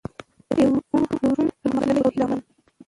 د يو روڼ، پرمختللي او هيله من